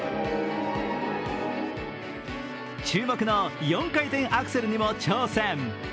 注目の４回転アクセルにも挑戦。